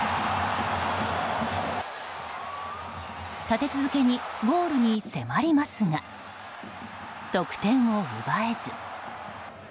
立て続けにゴールに迫りますが得点を奪えず。